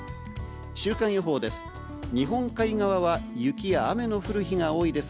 週間予報です。